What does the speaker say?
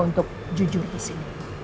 untuk jujur kesini